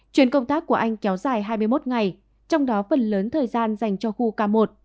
chuyến công tác của anh kéo dài hai mươi một ngày trong đó phần lớn thời gian dành cho khu k một